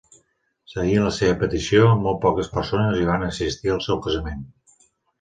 Seguint la seva petició, molt poques persones hi van assistir al seu casament.